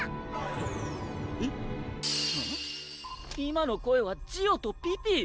今の声はジオとピピ！